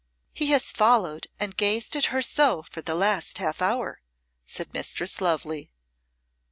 "He has followed and gazed at her so for the last half hour," said Mistress Lovely.